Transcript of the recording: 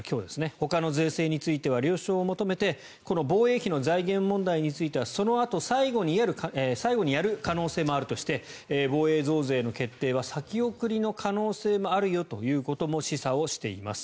ほかの税制については了承を求めて防衛費の財源問題についてはそのあと最後にやる可能性もあるとして防衛増税の決定は先送りの可能性もあるよということを示唆しています。